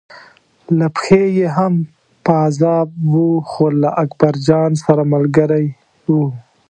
له پښې یې هم پازاب و خو له اکبرجان سره ملګری و.